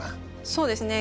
そうですね。